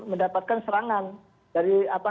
mendapatkan serangan dari apa